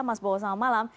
mas bawono selamat malam